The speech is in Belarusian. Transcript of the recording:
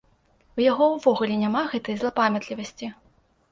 У яго ўвогуле няма гэтай злапамятлівасці!